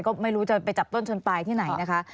ก็ไม่รู้จะไปจับต้นชนปลายที่ไหนนะคะ